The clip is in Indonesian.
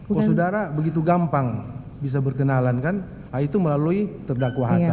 kalau saudara begitu gampang bisa berkenalan kan itu melalui terdakwahata